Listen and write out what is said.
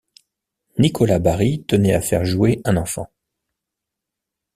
Nicolas Bary tenait à faire jouer un enfant.